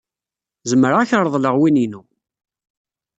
Zemreɣ ad ak-reḍleɣ win-inu.